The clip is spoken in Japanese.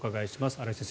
新井先生